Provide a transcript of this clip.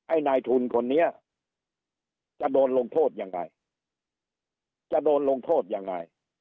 ไอ้นายทุนคนนี้จะโดนลงโทษยังไง